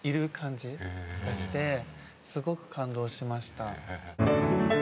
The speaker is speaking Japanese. すごく感動しました。